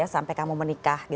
sampai kamu menikah